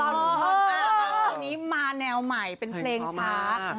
อย่างนี้มาแนวใหม่เป็นเพลงชาติ